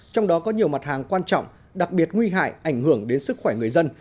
trong đó có nhiều mặt hàng quan trọng đặc biệt nguy hại ảnh hưởng đến sức khỏe người dân